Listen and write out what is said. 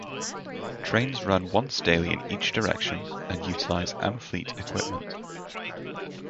Trains run once daily in each direction and utilize Amfleet equipment.